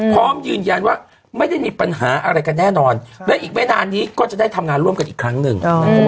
พร้อมยืนยันว่าไม่ได้มีปัญหาอะไรกันแน่นอนและอีกไม่นานนี้ก็จะได้ทำงานร่วมกันอีกครั้งหนึ่ง